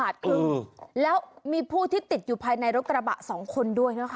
ที่ติดอยู่ภายในรถกระบะสองคนด้วย